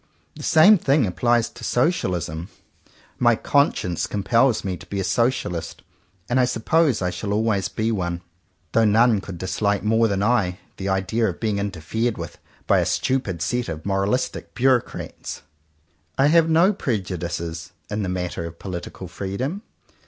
The same thing applies to Socialism. My conscience compels me to be a Socialist, and I suppose I shall always be one; though none could dislike more than I the idea of being interfered with by a stupid set of moralistic Bureaucrats. I have no prejudices in the matter of political freedom.